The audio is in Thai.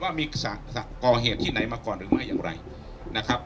ว่ามีก่อเหตุที่ไหนมาก่อนหรือไม่อย่างไรนะครับ